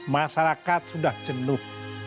masyarakat sudah jenuh